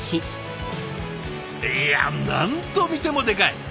いや何度見てもでかい！